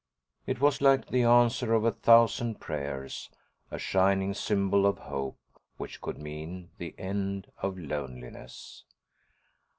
It was like the answer to a thousand prayers, a shining symbol of hope which could mean the end of loneliness.